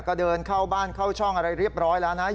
ก็เดินเข้าบ้านเข้าช่องอะไรเรียบร้อยแล้วนะ